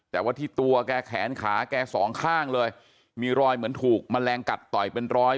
แต่ว่าที่ตัวแกแขนขาแกสองข้างเลยมีรอยเหมือนถูกแมลงกัดต่อยเป็นร้อย